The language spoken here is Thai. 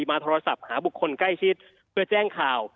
มาโทรศัพท์หาบุคคลใกล้ชิดเพื่อแจ้งข่าว